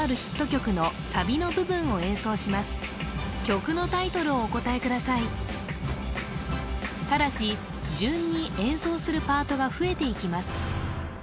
曲のタイトルをお答えくださいただし順に演奏するパートが増えていきます